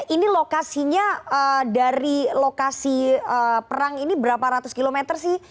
ini lokasinya dari lokasi perang ini berapa ratus kilometer sih